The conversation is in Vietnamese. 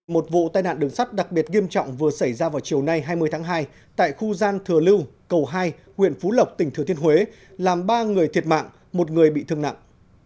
một vụ tai nạn đường sắt đặc biệt nghiêm trọng vừa xảy ra vào chiều nay hai mươi tháng hai tại khu gian thừa lưu cầu hai huyện phú lộc tỉnh thừa thiên huế làm ba người thiệt mạng một người bị thương nặng